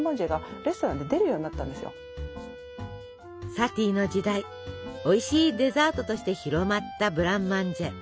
サティの時代おいしいデザートとして広まったブランマンジェ。